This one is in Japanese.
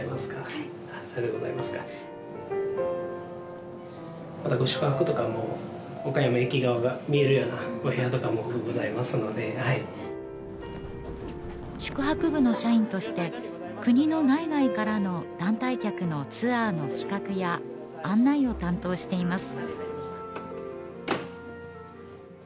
・はいさようでございますかまたご宿泊とかも岡山駅側が見えるようなお部屋とかもございますのではい宿泊部の社員として国の内外からの団体客のツアーの企画や案内を担当しています